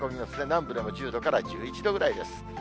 南部でも１０度から１１度ぐらいです。